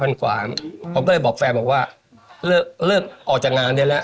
ผมก็มาบอกแฟนเลิกออกจากงานได้แล้ว